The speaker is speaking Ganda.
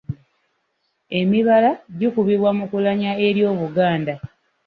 Emibala gikubibwa mu kulanya eri Obuganda.